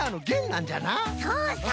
そうそう！